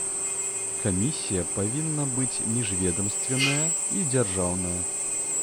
Камісія павінна быць міжведамственная і дзяржаўная.